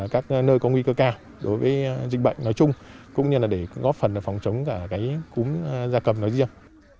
các nơi có nguy cơ cao đối với dịch bệnh nói chung cũng như là để góp phần phòng chống cả cúm gia cầm nói riêng